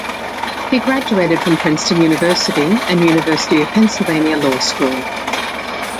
He graduated from Princeton University and University of Pennsylvania Law School.